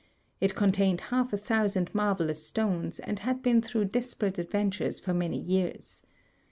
It con tained half a thousand marvelous stones and had been through desperate adventures for many years.